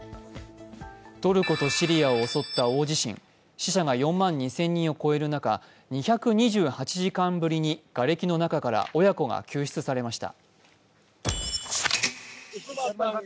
トルコとシリアを襲った大地震、死者が４万２０００人を超える中２２８時間ぶりにがれきの中から親子が救出されました。